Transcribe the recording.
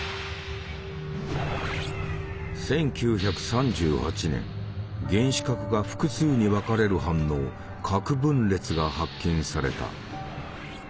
１９３８年原子核が複数に分かれる反応「核分裂」が発見された。